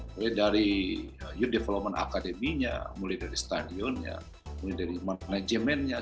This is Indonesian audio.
mulai dari youth development academy nya mulai dari stadionnya mulai dari manajemennya